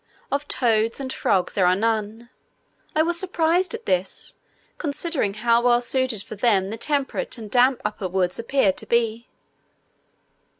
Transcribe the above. Of toads and frogs there are none: I was surprised at this, considering how well suited for them the temperate and damp upper woods appeared to be.